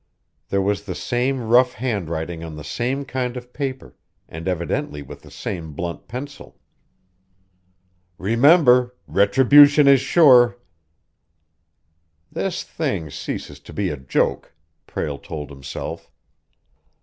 There was the same rough handwriting on the same kind of paper, and evidently with the same blunt pencil. "Remember retribution is sure!" "This thing ceases to be a joke!" Prale told himself.